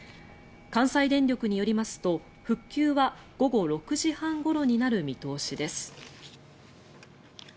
関西電力によりますと復旧は午後６時半ごろになる見通しです。